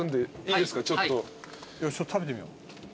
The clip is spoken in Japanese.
ちょっと食べてみよう。